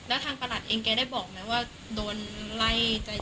แล้วทางประหลัดเองแกได้บอกไหมว่าโดนไล่ใจ